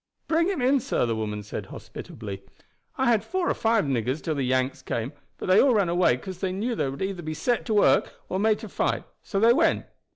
"Bring him in, sir," the woman said hospitably. "I had four or five niggers till the Yanks came, but they all ran away 'cause they knew they would either be set to work or made to fight; so they went.